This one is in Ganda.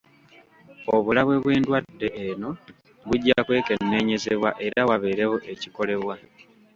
Obulabe bw'endwadde eno bujja kwekenneenyezebwa era wabeerewo ekikolebwa.